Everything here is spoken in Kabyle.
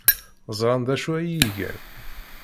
Ẓran d acu ay iyi-gan.